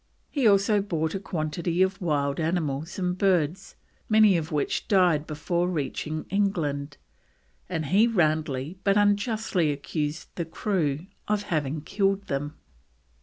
He also bought a quantity of wild animals and birds, many of which died before reaching England, and he roundly but unjustly accused the crew of having killed them.